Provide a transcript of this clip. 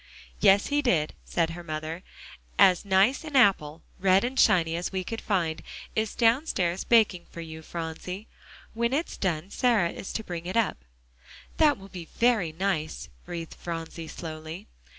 "Yes, he did," said her mother; "as nice an apple, red and shiny as we could find, is downstairs baking for you, Phronsie. When it's done, Sarah is to bring it up." "That will be very nice," breathed Phronsie slowly.